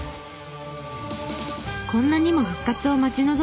こんなにも復活を待ち望む声がある。